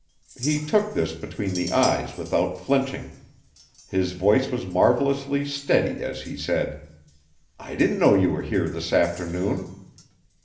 He took this between the eyes without flinching. His voice was marvellously steady as he said: "I didn't know you were here this afternoon."